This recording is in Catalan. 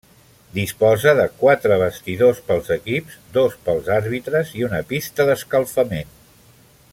Disposa de quatre vestidors pels equips, dos pels àrbitres i una pista d'escalfament.